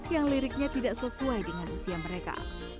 yang liriknya tidak sesuai dengan usia mereka